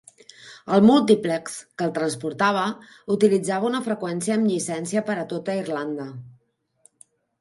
El múltiplex que el transportava utilitzava una freqüència amb llicència per a tota Irlanda.